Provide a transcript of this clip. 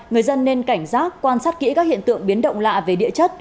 người dân nên cảnh giác quan sát kỹ các hiện tượng biến động lạ về địa chất